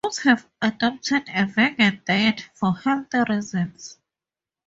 Both have adopted a vegan diet for health reasons.